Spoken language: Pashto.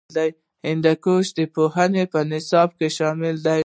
هندوکش د پوهنې په نصاب کې دی.